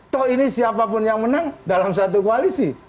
toh ini siapapun yang menang dalam satu koalisi